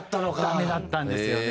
ダメだったんですよね。